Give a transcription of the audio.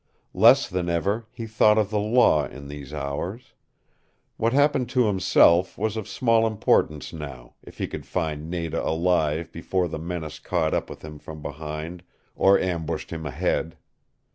Less than ever he thought of the law in these hours. What happened to himself was of small importance now, if he could find Nada alive before the menace caught up with him from behind, or ambushed him ahead.